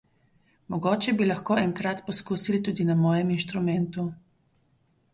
Mogoče bi lahko enkrat poskusil tudi na mojem inštrumentu.